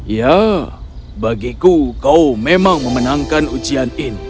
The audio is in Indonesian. ya bagiku kau memang memenangkan ujian ini